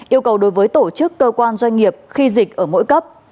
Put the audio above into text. yêu cầu đối với tổ chức cơ quan doanh nghiệp khi dịch ở mỗi cấp